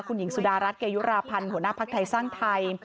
คุณหญิงสุดารัฐเกยุราพันธ์หัวหน้าภักดิ์ไทยสร้างไทย